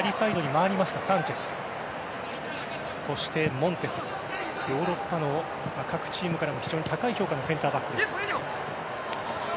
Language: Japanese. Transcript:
モンテスはヨーロッパの各チームからも非常に高い評価のセンターバックです。